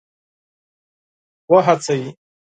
وهڅوي.